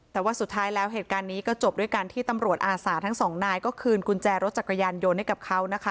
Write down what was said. แต่ว่าสุดท้ายแล้วเหตุการณ์นี้ก็จบด้วยการที่ตำรวจอาสาทั้งสองนายก็คืนกุญแจรถจักรยานยนต์ให้กับเขานะคะ